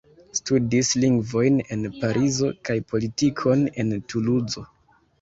Studis lingvojn en Parizo kaj politikon en Tuluzo.